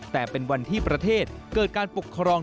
แต่เป็นวันที่ประเทศเกิดการปกครอง